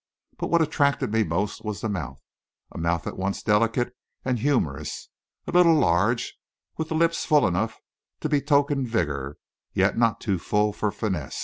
But what attracted me most was the mouth a mouth at once delicate and humourous, a little large and with the lips full enough to betoken vigour, yet not too full for fineness.